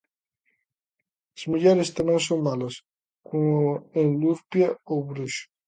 As mulleres tamén son malas, como en lurpia ou bruxa.